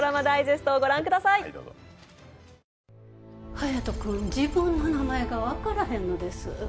隼人君自分の名前が分からへんのです